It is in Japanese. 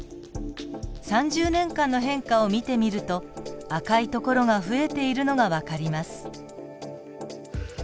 ３０年間の変化を見てみると赤い所が増えているのがわかります。